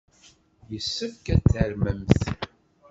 Yessefk ad tarmemt!